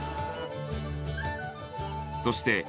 そして、